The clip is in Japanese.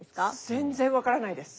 全然分からないです。